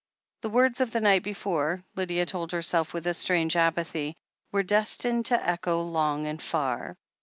The words of the night before, Lydia told herself with a strange apathy, were destined to echo long and far.